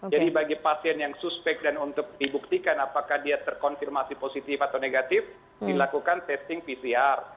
jadi bagi pasien yang suspek dan untuk dibuktikan apakah dia terkonfirmasi positif atau negatif dilakukan testing pcr